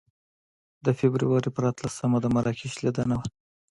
د فبروري په اتلسمه د مراکش لیدنه وه.